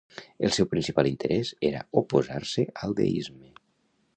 El seu principal interès era oposar-se al deisme.